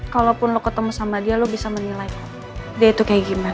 kalaupun lo ketemu sama dia lo bisa menilai dia itu kayak gimana